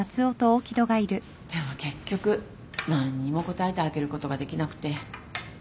でも結局何にも答えてあげることができなくて。